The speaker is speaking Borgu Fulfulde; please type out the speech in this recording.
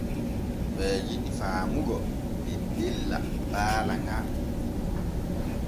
Ɓee jidi faamugo teddella baala ŋal.